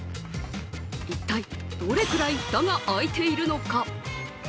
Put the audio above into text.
一体どれくらいフタが開いているのか？